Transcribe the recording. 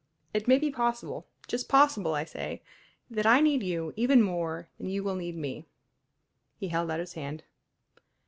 It may be possible just possible, I say that I need you even more than you will need me." He held out his hand.